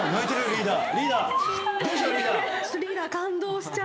リーダー。